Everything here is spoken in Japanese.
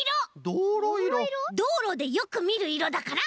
どうろでよくみるいろだから。